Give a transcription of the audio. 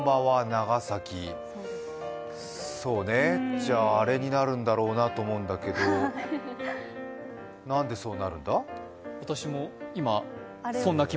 そうね、じゃあ、あれになるんだろうなと思うんだけどなんでそうなるんだ？